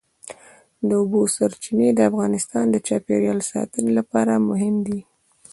د اوبو سرچینې د افغانستان د چاپیریال ساتنې لپاره مهم دي.